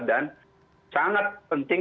dan sangat penting